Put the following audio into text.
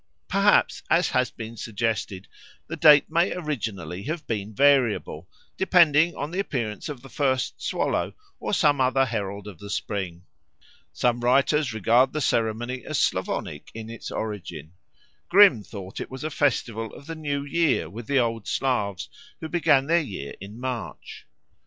Perhaps, as has been suggested, the date may originally have been variable, depending on the appearance of the first swallow or some other herald of the spring. Some writers regard the ceremony as Slavonic in its origin. Grimm thought it was a festival of the New Year with the old Slavs, who began their year in March.